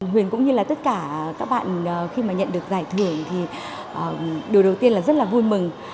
huyền cũng như là tất cả các bạn khi mà nhận được giải thưởng thì điều đầu tiên là rất là vui mừng